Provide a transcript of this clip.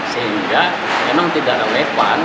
sehingga memang tidak relevan